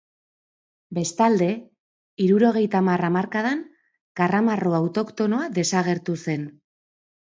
Bestalde, hirurogeita hamar hamarkadan, karramarro autoktonoa desagertu zen.